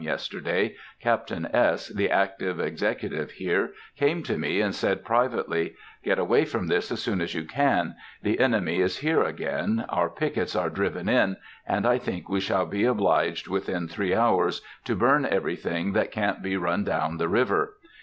yesterday, Captain S., the active executive here, came to me, and said, privately: "Get away from this as soon as you can; the enemy is here again; our pickets are driven in, and I think we shall be obliged, within three hours, to burn everything that can't be run down the river.